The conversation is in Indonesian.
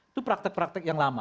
itu praktek praktek yang lama